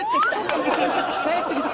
帰ってきた。